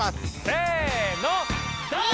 せの。